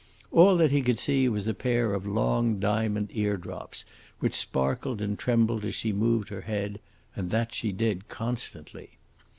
All that he could see was a pair of long diamond eardrops, which sparkled and trembled as she moved her head and that she did constantly.